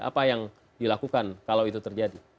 apa yang dilakukan kalau itu terjadi